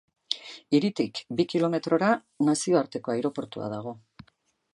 Hiritik bi kilometrora nazioarteko aireportua dago.